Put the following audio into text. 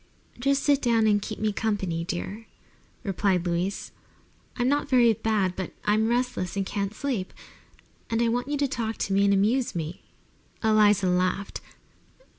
"Just sit down and keep me company, dear," replied Louise. "I'm not very bad, but I'm restless and can't sleep, and I want you to talk to me and amuse me." Eliza laughed.